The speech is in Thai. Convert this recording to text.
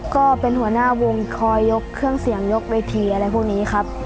ก็เป็นหัวหน้าวงคอยยกเครื่องเสียงยกเวทีอะไรพวกนี้ครับ